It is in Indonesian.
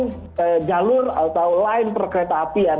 desain jalur atau line per kereta apian